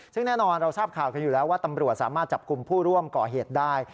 ซึ่งแน่นอนเราทราบข่าวกันอยู่แล้วว่าตำรวจสามารถจับกลุ่มผู้ร่วมก่อเหตุได้